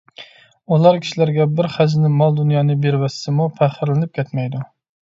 ئۇلار كىشىلەرگە بىر خەزىنە مال – دۇنيانى بېرىۋەتسىمۇ پەخىرلىنىپ كەتمەيدۇ.